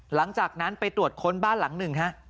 หลังจากนั้นไปตรวจค้นบ้านหลังหนึ่งฮะ